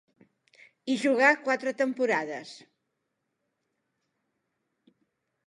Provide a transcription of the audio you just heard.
Hi jugà quatre temporades.